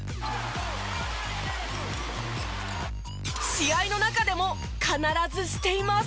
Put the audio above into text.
試合の中でも必ずしています。